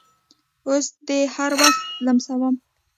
اوس دې هر وخت لمسوم